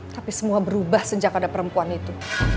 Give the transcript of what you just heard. tapi semua berubah sejak ada perempuan itu